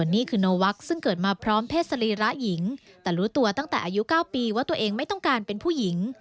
นี่คือโนวักซึ่งเกิดมาพร้อมเพศสรีระหญิงแต่รู้ตัวตั้งแต่อายุ๙ปีว่าตัวเองไม่ต้องการเป็นผู้หญิง